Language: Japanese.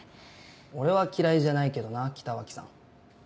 俺は嫌いじゃないけどな北脇さん。